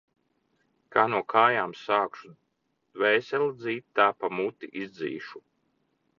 Kā no kājām sākšu dvēseli dzīt, tā pa muti izdzīšu.